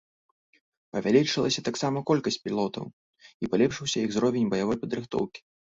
Павялічылася таксама колькасць пілотаў і палепшыўся іх узровень баявой падрыхтоўкі.